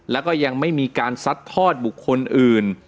แล้วก็ยังไม่มีการซัดทอดบุคคลอื่น